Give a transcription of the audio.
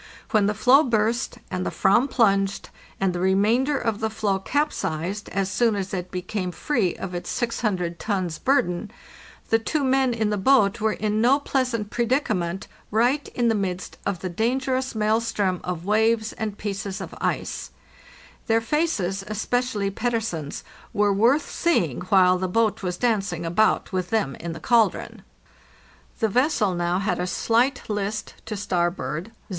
When the floe burst, and the /vam plunged, and the remainder of the floe capsized as soon as it became free of its 600 tons' burden, the two men in the boat were in no pleasant predicament right in the midst of the dangerous mael strom of waves and pieces of ice; their faces, especially Petter sen's, were worth seeing while the boat was dancing about with them in the caldron. The vessel now had a slight list to starboard (0.